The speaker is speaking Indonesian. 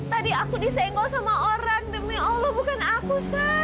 tadi aku disenggol sama orang demi allah bukan aku